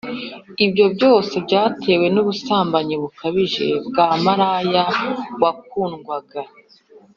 ibyo byose byatewe n’ubusambanyi bukabije bwa maraya wakundwaga